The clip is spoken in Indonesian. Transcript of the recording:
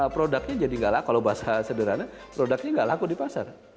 produknya jadi nggak laku kalau bahasa sederhana produknya nggak laku di pasar